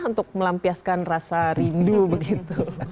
untuk melampiaskan rasa rindu begitu